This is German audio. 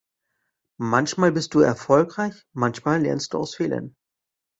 Manchmal bist du erfolgreich, manchmal lernst du aus Fehlern.